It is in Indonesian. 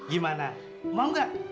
gimana mau gak